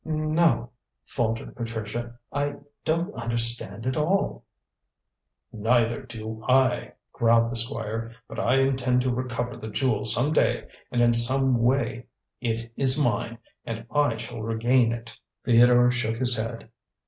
"No," faltered Patricia. "I don't understand at all." "Neither do I," growled the Squire; "but I intend to recover the jewel some day and in some way. It is mine, and I shall regain it." Theodore shook his head.